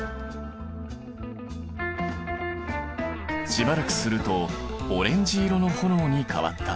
しばらくするとオレンジ色の炎に変わった。